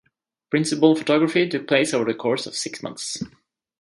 Principal photography took place over the course of six months.